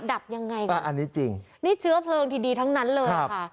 ดับยังไงก่อนอันนี้เชื้อเพลิงที่ดีทั้งนั้นเลยค่ะครับ